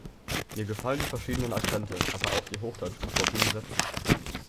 Mir gefallen die verschiedenen Akzente, aber auch die hochdeutsch gesprochenen Sätze.